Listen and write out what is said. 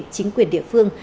chính quyền địa phương